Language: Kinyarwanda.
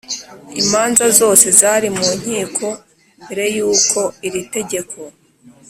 Imanza zose zari mu nkiko mbere y uko iri tegeko